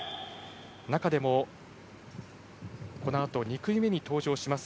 中でもこのあと２組目に登場します